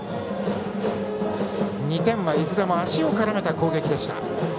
２点はいずれも足を絡めた攻撃でした。